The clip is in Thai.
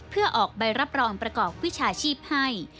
เพื่อออกใบรับรองประกอบวิชาชีพให้